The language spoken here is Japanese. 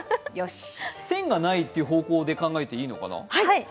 千がないという方向で考えていいのかな。